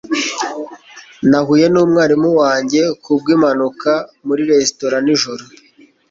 Nahuye numwarimu wanjye kubwimpanuka muri resitora nijoro.